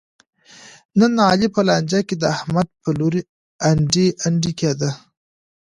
نن علي په لانجه کې د احمد په لوري انډی انډی کېدا.